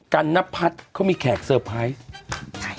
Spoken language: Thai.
กันนพัฒน์เขามีแขกเซอร์ไพรส์